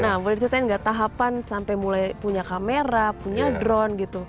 nah boleh diceritain nggak tahapan sampai mulai punya kamera punya drone gitu